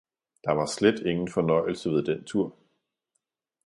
Der var slet ingen fornøjelse ved den tur.